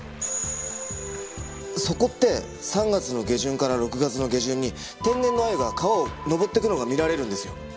そこって３月の下旬から６月の下旬に天然のアユが川を上っていくのが見られるんですよ。